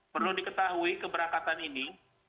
perlu diketahui keberangkatan ini